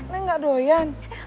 neng gak doyan